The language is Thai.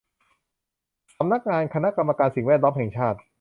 สำนักงานคณะกรรมการสิ่งแวดล้อมแห่งชาติ